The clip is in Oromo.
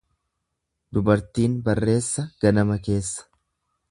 Dubartiin barreessa ganama keessa.